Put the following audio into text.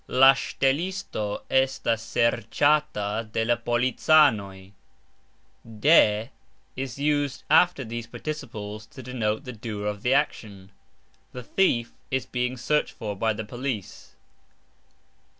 "La sxtelisto estas sercxata de la policanoj" [Footnote: "De" is used after these participles to denote the "doer" of the action.], The thief is being searched for by the police.